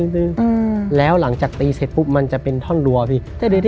ดึงแล้วหลังจากตีเสร็จปุ๊บมันจะเป็นท่อนรัวพี่